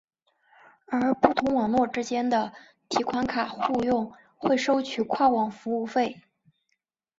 而不同网络之间的提款卡互用会收取跨网服务费。